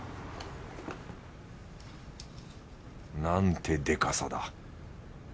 なんてでかさだ。